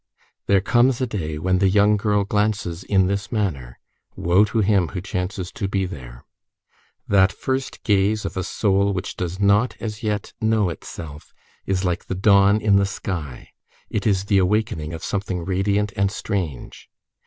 There comes a day when the young girl glances in this manner. Woe to him who chances to be there! That first gaze of a soul which does not, as yet, know itself, is like the dawn in the sky. It is the awakening of something radiant and strange.